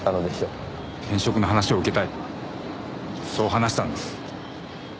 転職の話を受けたいそう話したんです。